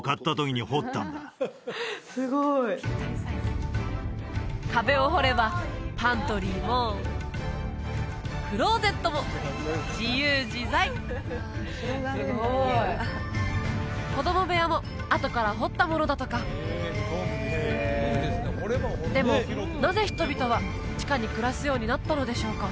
すごい壁を掘ればパントリーもクローゼットも自由自在すごい子供部屋もあとから掘ったものだとかでもなぜ人々は地下に暮らすようになったのでしょうか？